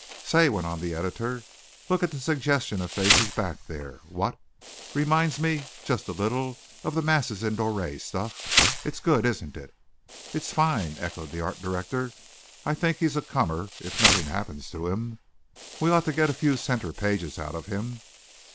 "Say," went on the Editor, "look at the suggestion of faces back there! What? Reminds me just a little of the masses in Doré stuff It's good, isn't it?" "It's fine," echoed the Art Director. "I think he's a comer, if nothing happens to him. We ought to get a few centre pages out of him."